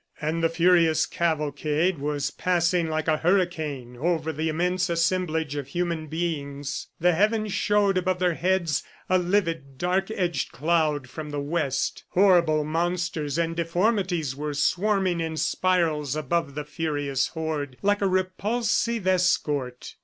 And the furious cavalcade was passing like a hurricane over the immense assemblage of human beings. The heavens showed above their heads, a livid, dark edged cloud from the west. Horrible monsters and deformities were swarming in spirals above the furious horde, like a repulsive escort.